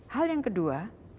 hal yang kedua